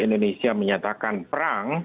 indonesia menyatakan perang